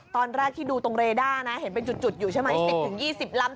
ตอนแรกที่ดูตรงเรด้านะเห็นเป็นจุดอยู่ใช่ไหม๑๐๒๐ลำ